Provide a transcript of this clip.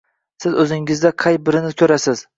Siz o‘zingizda qay birini ko‘rasiz?